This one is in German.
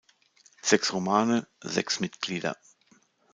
Sechs Romane, sechs Mitglieder.